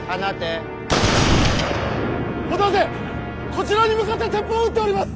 こちらに向かって鉄砲を撃っております！